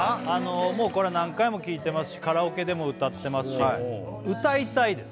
もうこれは何回も聴いてますしカラオケでも歌ってますし歌いたいです